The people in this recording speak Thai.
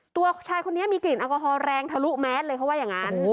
ตัวชายคนนี้มีกลิ่นแอลกอฮอลแรงทะลุแมสเลยเขาว่าอย่างนั้น